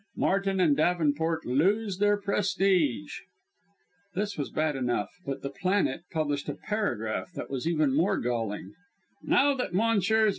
MARTIN AND DAVENPORT LOSE THEIR PRESTIGE This was bad enough, but the Planet published a paragraph that was even more galling, viz. "Now that Messrs.